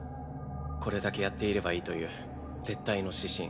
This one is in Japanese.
これだけやっていればいいという絶対の指針。